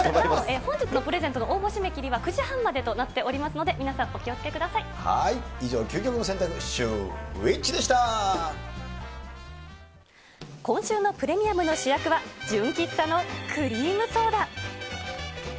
本日のプレゼントの応募締め切りは９時半までとなっておりますので、皆さん、お気をつけくだ以上、究極の選択、シューＷ今週のプレミアムの主役は純喫茶のクリームソーダ。